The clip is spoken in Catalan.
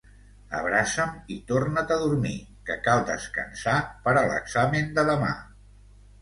Abraça'm i torna't a dormir, que cal descansar per a l'examen de demà.